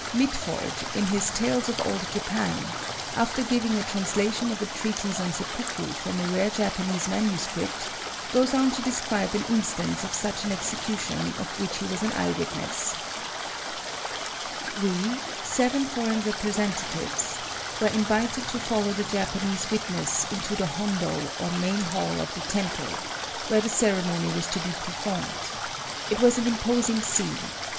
Mitford, in his "Tales of Old Japan," after giving a translation of a treatise on seppuku from a rare Japanese manuscript, goes on to describe an instance of such an execution of which he was an eye witness:— "We (seven foreign representatives) were invited to follow the Japanese witness into the hondo or main hall of the temple, where the ceremony was to be performed. It was an imposing scene.